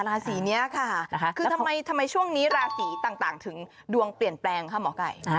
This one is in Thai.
ราศีเนี้ยค่ะนะคะคือทำไมทำไมช่วงนี้ราศีต่างต่างถึงดวงเปลี่ยนแปลงค่ะ